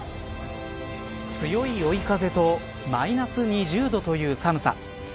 強い追い風とマイナス２０度という寒さ。